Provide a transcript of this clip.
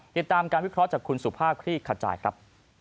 ติดตามการวิเคราะห์จากคุณสุภาพคลี่ขจายครับ